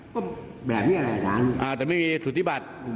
ก็แบบนี้แหละอาจารย์นี้อ่าแต่ไม่มีสุธิบัติ